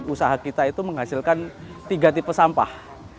usaha kita itu menghasilkan tiga tipe sampah